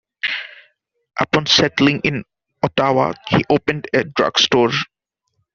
Upon settling in Ottawa, he opened a drug store.